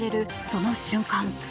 その瞬間